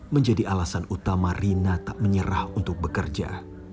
menjadi alasan utama rina tak menyerah untuk bekerja